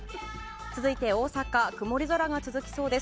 続いて大阪曇り空が続きそうです。